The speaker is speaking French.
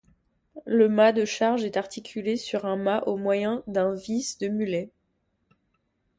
Le mât de charge est articulé sur un mât au moyen d'un vis-de-mulet.